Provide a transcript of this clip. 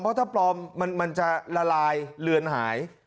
เพราะถ้าปลอมมันจะละลายเลือนหาย